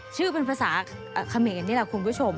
ชื่อเป็นภาษาเขมรนี่แหละคุณผู้ชม